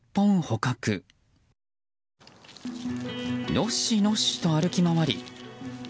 のっしのっしと歩き回り。